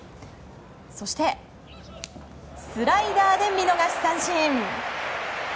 そして、スライダーで見逃し三振。